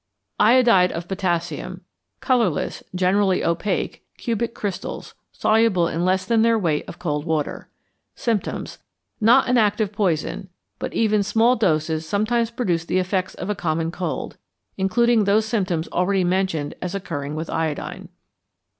=Iodide of Potassium.= Colourless, generally opaque, cubic crystals, soluble in less than their weight of cold water. Symptoms. Not an active poison, but even small doses sometimes produce the effects of a common cold, including those symptoms already mentioned as occurring with iodine.